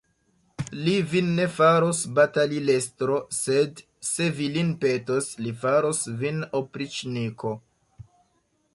Li vin ne faros batalilestro, sed, se vi lin petos, li faros vin opriĉniko.